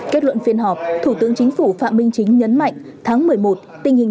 kết luận phiên họp thủ tướng chính phủ phạm minh chính nhấn mạnh tháng một mươi một tình hình